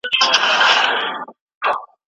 سوله ژوند اراموي.